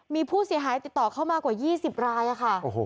มีผู้เสียหายติดต่อเข้ามากว่ายี่สิบรายอะค่ะโอ้โห